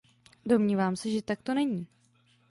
Domnívám se, že tak to není.